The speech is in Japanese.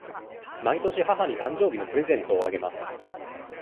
毎年母に誕生日のプレゼントをあげます。